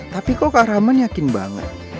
tapi kok kak rahman yakin banget